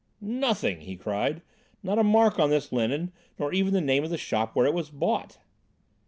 "Nothing," he cried, "not a mark on this linen nor even the name of the shop where it was bought."